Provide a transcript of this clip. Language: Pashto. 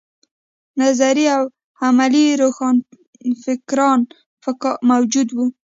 نظري او عملي روښانفکران موجود وو.